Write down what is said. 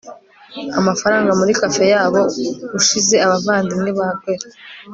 amafranga muri café yabo, ushize abavandimwe ba guerra